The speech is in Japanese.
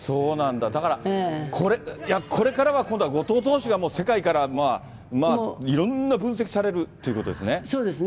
だからこれ、これからは今度、後藤投手が世界からいろんな分析をされるというそうですね。